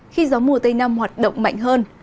khi gió mùa tây nam hoạt động mạnh hơn